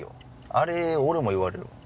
あれ俺も言われる。